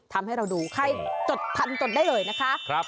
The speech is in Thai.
ทำให้เราดูใครจดทันจดได้เลยนะคะ